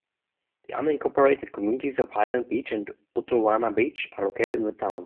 The unincorporated communities of Highland Beach and Utowana Beach are located in the town.